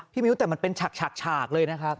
พี่ไม่รู้แต่มันเป็นฉากฉากเลยนะครับ